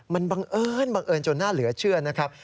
มันบังเอิญบังเอิญจนน่าเหลือเชื่อนะครับ